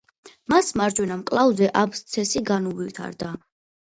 მას მარჯვენა მკლავზე აბსცესი განუვითარდა.